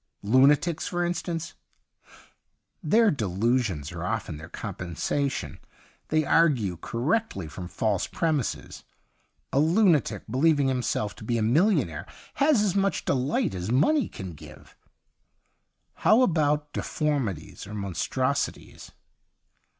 ' Lunatics, for instance ?' 146 i THE UNDYING THING 'Their delusions are often their compensation. They argue cor rectly from false premises. A lunatic believing himself to be a millionaire has as much delight as money can give.' ' How about deformities or mon strosities